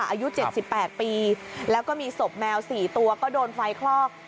อายุ๗๘ปีแล้วก็มีศพแมว๔ตัวก็โดนไฟคลอก